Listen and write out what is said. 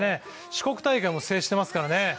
四国大会も制していますからね。